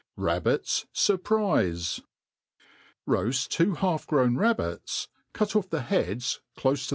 Rabbits Surprifi. &OAS.T two half^grown rabbits, cut off the beads clofe to.